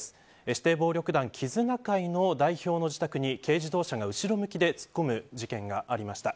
指定暴力団、絆曾の代表の自宅に軽自動車が後ろ向きで突っ込む事件がありました。